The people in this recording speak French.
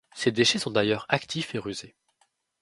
Ces déchets sont d'ailleurs actifs et rusés.